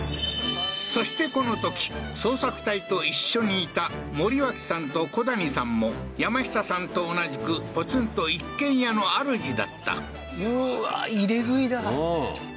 そしてこのとき捜索隊と一緒にいた森脇さんと古谷さんも山下さんと同じくポツンと一軒家の主だったうわ入れ食いだ